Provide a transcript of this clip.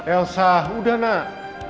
elsa udah nak